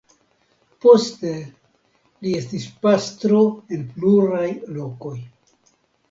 Poste li estis pastro en pluraj lokoj.